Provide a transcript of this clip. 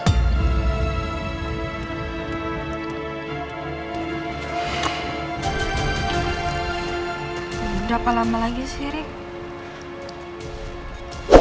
udah berapa lama lagi sih rick